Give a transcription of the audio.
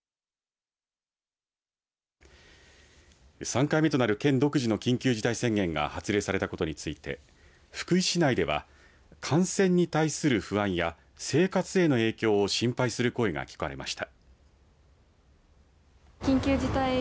３回目となる県独自の緊急事態宣言が発令されたことについて福井市内では感染に対する不安や生活への影響を心配する声が聞かれました。